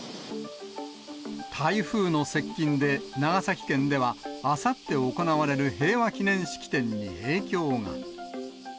台風の接近で、長崎県ではあさって行われる平和祈念式典に影響が。